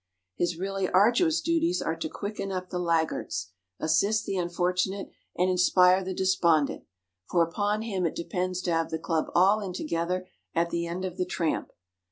His really arduous duties are to quicken up the laggards, assist the unfortunate, and inspire the despondent, for upon him it depends to have the club all in together at the end of the tramp.